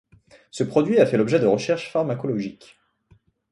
Ce produit a fait l’objet de recherches pharmacologiques.